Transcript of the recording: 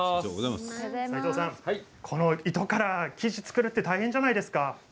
この糸から生地を作るって大変じゃないですか。